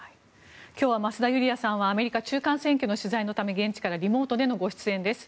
今日は増田ユリヤさんはアメリカ中間選挙の取材のため現地からリモートでのご出演です。